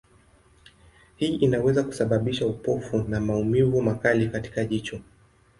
Hii inaweza kusababisha upofu na maumivu makali katika jicho.